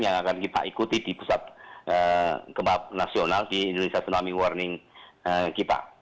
yang akan kita ikuti di pusat gempa nasional di indonesia tsunami warning kita